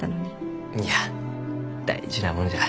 いや大事なもんじゃ。